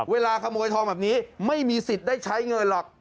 เวลาขโมยทองแบบนี้ไม่มีสิทธิ์ได้ใช้เงินหรอก